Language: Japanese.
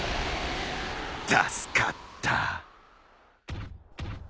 助かった。